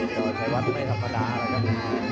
ก็ใช้วันไม่ธรรมดาแล้วครับ